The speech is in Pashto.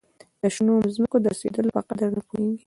د شنو مځکو د رسېدلو په قدر نه پوهیږي.